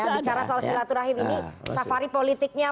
kita bicara soal silaturahim ini safari politiknya